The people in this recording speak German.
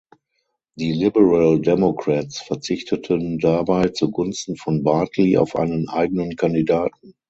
Die Liberal Democrats verzichteten dabei zu Gunsten von Bartley auf einen eigenen Kandidaten.